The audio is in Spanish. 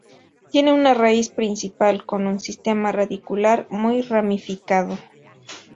Tiene una raíz principal con un sistema radicular muy ramificado.